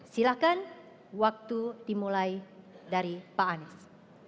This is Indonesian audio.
silahkan waktu dimulai dari pak anies